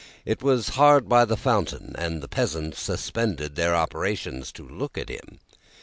It was hard by the fountain, and the peasants suspended their operations to look at him.